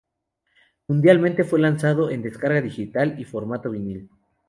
Mundialmente fue lanzado en descarga digital y formato vinyl.